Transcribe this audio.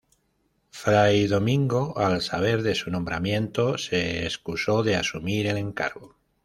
Fray Domingo al saber de su nombramiento se excusó de asumir el encargo.